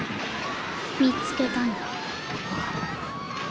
・見つけたの。